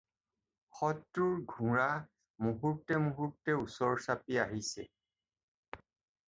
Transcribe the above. শত্ৰুৰ ঘোঁৰা মুহূৰ্ত্তে মুহূৰ্ত্তে ওচৰ চাপি আহিছে।